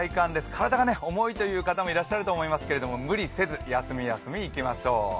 体が重いという方もいらっしゃるかもしれませんが無理せずに休み休みいきましょう。